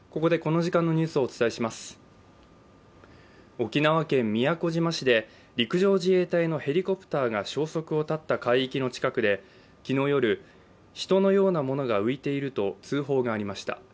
沖縄県宮古島市で陸上自衛隊のヘリコプターが消息を絶った海域の近くで昨日夜人のようなものが浮いていると通報がありました。